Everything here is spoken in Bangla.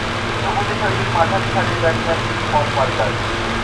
ধ্রুপদী শৈলীর মাঝারিসারির ব্যাটসম্যান ছিলেন পল পার্কার।